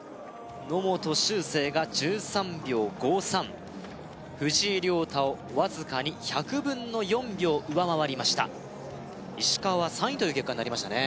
野本周成が１３秒５３藤井亮汰をわずかに１００分の４秒上回りました石川は３位という結果になりましたね